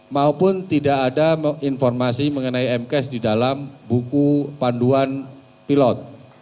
maupun tidak ada informasi mengenai mcas di dalam buku panduan pilot